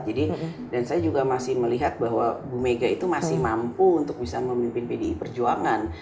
jadi dan saya juga masih melihat bahwa ibu megawati itu masih mampu untuk bisa memimpin pdi perjuangan